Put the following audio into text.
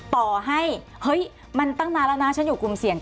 ต่อให้เฮ้ยมันตั้งนานแล้วนะฉันอยู่กลุ่มเสี่ยง